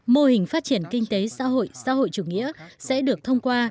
mô hình phát triển kinh tế xã hội xã hội chủ nghĩa sẽ được thông qua